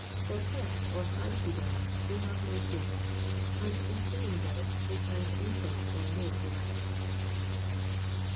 For " pet " or " fancy " dogs they have no feeling, and in singing birds they find little or no delight.